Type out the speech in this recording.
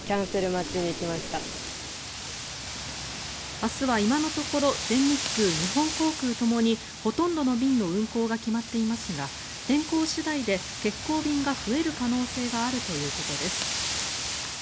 明日は今のところ全日空、日本航空ともにほとんどの便の運航が決まっていますが天候次第で欠航便が増える可能性があるということです。